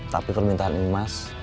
tapi permintaan imas